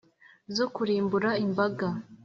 zo kurimbura imbaga